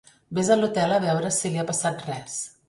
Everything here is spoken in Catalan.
Ves a l'hotel a veure si li ha passat res.